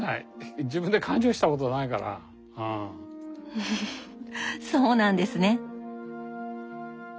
フフフそうなんですね！